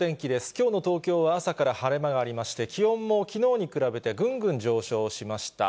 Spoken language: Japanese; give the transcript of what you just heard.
きょうの東京は朝から晴れ間がありまして、気温もきのうに比べて、ぐんぐん上昇しました。